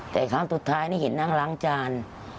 แต่ครั้งสุดท้ายนี่เห็นนั่งล้างจาน